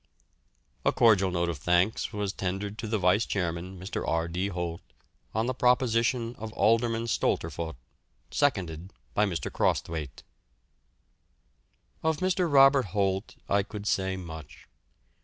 "A cordial vote of thanks was tendered to the vice chairman, Mr. R. D. Holt, on the proposition of Alderman Stolterfoht, seconded by Mr. Crosthwaite." Of Mr. Robert Holt I could say much.